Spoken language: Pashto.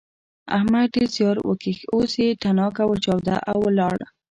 احمد ډېر زیار وکيښ اوس يې تڼاکه وچاوده او ولاړ.